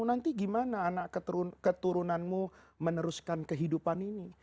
nanti gimana anak keturunanmu meneruskan kehidupan ini